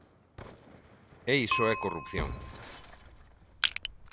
E iso é corrupción.